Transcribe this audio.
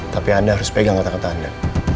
tapi anda harus pegang kata kata anda